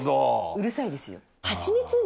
うるさいですよ。